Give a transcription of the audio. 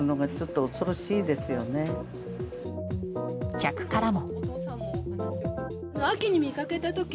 客からも。